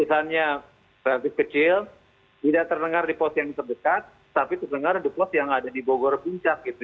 kesannya relatif kecil tidak terdengar di pos yang terdekat tapi terdengar di pos yang ada di bogor puncak gitu